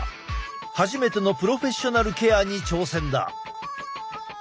はじめてのプロフェッショナルケアに挑戦だ。